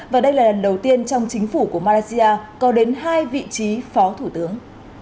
và đây là lần đầu tiên trong chính phủ của malaysia có đến hai vị trí phó thủ tướng